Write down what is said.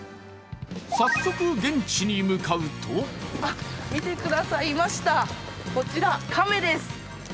早速、現地に向かうと見てください、いました、こちら、カメです。